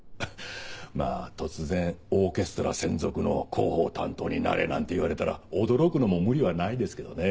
まぁ突然オーケストラ専属の広報担当になれなんて言われたら驚くのも無理はないですけどね。